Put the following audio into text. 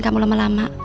kalau kamu bulanan